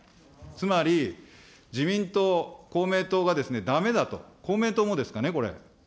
つまり、自民党、公明党がだめだと、公明党もですかね、これ。